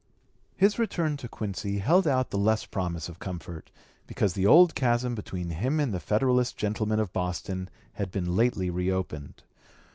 His return to Quincy held out the less promise of comfort, because the old chasm between him and the Federalist gentlemen of Boston had been lately reopened.